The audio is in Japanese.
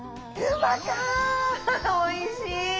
おいしい！